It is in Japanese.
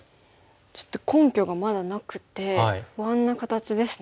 ちょっと根拠がまだなくて不安な形ですね。